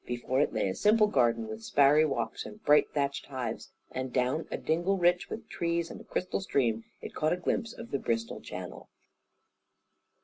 Before it lay a simple garden with sparry walks and bright thatched hives, and down a dingle rich with trees and a crystal stream, it caught a glimpse of the Bristol Channel.